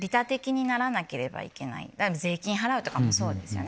税金払うとかもそうですよね。